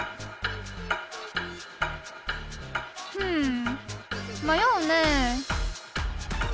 うん迷うね